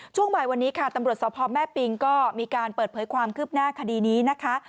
ช่วงบ่ายวันนี้ค่ะตำรวจสพแม่ปิงก็มีการเปิดเผยความคืบหน้าคดีนี้นะคะ